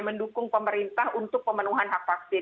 mendukung pemerintah untuk pemenuhan hak vaksin